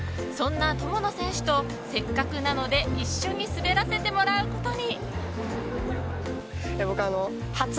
そんな友野選手とせっかくなので一緒に滑らせてもらうことに。